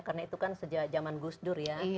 karena itu kan sejak zaman gus dur ya